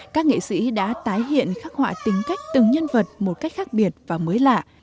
các nghệ sĩ đã tái hiện khắc họa tính cách từng nhân vật một cách khác biệt và mới lạ